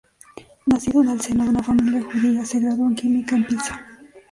Nacido en el seno de una familia judía, se graduó en Química en Pisa.